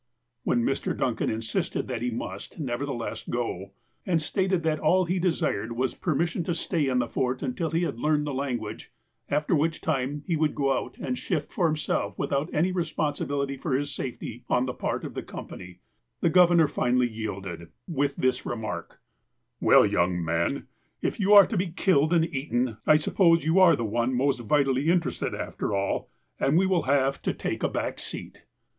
When Mr. Duncan insisted that he must, nevertheless, go, and stated that all he desired was permission to stay in the Fort until he had learned the language, after which time he would go out and shift for himself without any responsibility for his safety on the part of the company, the governor finally yielded, with this remark :'' Well, young man, if you are to be killed and eaten, I suppose you are the one most vitally interested, after all, and we will have ' to take a back seat.'